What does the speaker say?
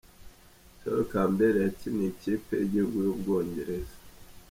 Sol Campbell yakiniye ikipe y' igihugu y' u Bwongereza.